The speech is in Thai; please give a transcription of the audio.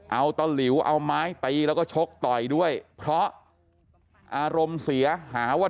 เอาตะหลิวเอาไม้ตีแล้วก็ชกต่อยด้วยเพราะอารมณ์เสียหาว่า